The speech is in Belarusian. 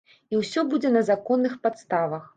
І ўсё будзе на законных падставах.